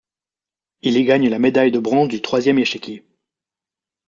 Il y gagne la médaille de bronze du troisième échiquier.